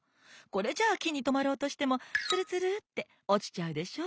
これじゃあきにとまろうとしてもツルツルっておちちゃうでしょ？